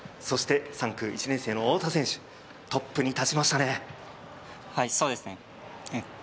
３区、１年生の太田選手、トップに立ましたね。